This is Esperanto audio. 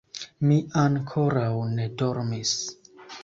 Mi ankoraŭ ne dormis.